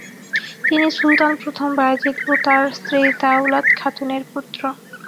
তিনি সুলতান প্রথম বায়েজীদ ও তার স্ত্রী দাওলাত খাতুনের পুত্র।